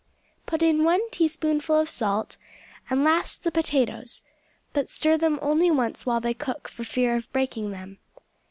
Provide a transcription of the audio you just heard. Put in one teaspoonful of salt, and last the potatoes, but stir them only once while they cook, for fear of breaking them.